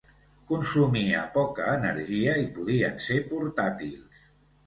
Consumia poca energia i podien ser portàtils.